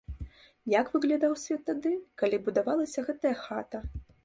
Як выглядаў свет тады, калі будавалася гэта хата?